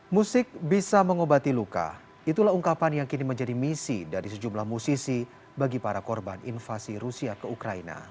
musik bisa mengobati luka itulah ungkapan yang kini menjadi misi dari sejumlah musisi bagi para korban invasi rusia ke ukraina